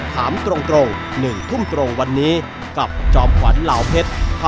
ถามตรง๑ทุ่มตรงวันนี้กับจอมขวัญเหล่าเพชร